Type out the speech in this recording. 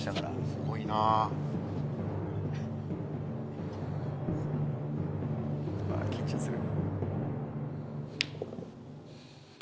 すごいな！緊張する。